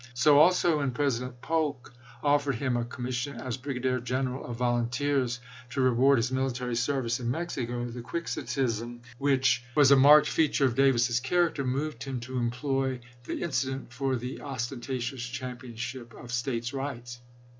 So also, when President Polk offered him a com mission as brigadier general of volunteers, to reward his military service in Mexico, the Quixotism which 206 ABRAHAM LINCOLN chap. xiii. was a marked feature of Davis's character moved him to employ the incident for the ostentatious championship of States rights.